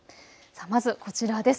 まずこちらです。